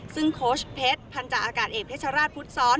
ซึ่งโค้ชเพชรพันธาอากาศเอกเพชรราชพุทธซ้อน